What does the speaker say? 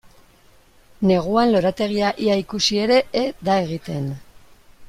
Neguan lorategia ia ikusi ere e da egiten.